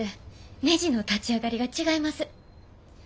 ねじの立ち上がりが違います。